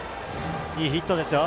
いいヒットですよ。